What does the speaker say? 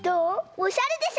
おしゃれでしょ？